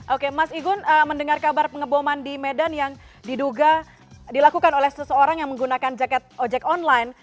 oke mas igun mendengar kabar pengeboman di medan yang diduga dilakukan oleh seseorang yang menggunakan jaket ojek online